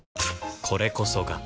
これこそが